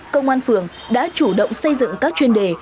công an phường đã chủ động xây dựng các chuyên đề